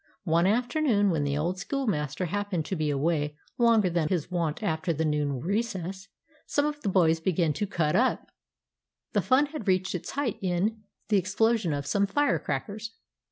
One after noon, when the old schoolmaster happened to be away longer than his wont after the noon recess, some of the boys began to "cut up." The fun reached its height in the explosion of some fire crackers.